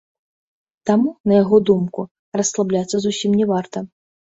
Таму, на яго думку, расслабляцца зусім не варта.